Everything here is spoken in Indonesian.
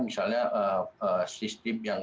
misalnya sistem yang